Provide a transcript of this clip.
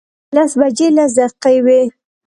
لس بجې لس دقیقې وې.